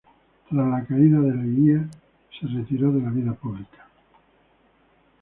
Tras la caída de Leguía se retiró de la vida pública.